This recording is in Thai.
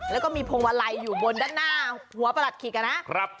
แล้วก็มีพงวะไล่อยู่บนด้านหน้าหัวประหลัดขีกนะ